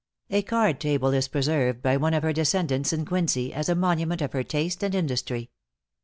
A card table is preserved by one of her descendants in Quincy, as a monument of her taste and industry.